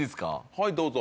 はいどうぞ。